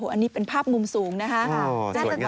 อันนี้เป็นภาพมุมสูงนะคะ